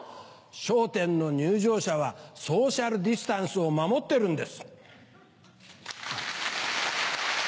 『笑点』の入場者はソーシャルディスタンスを守ってるんです。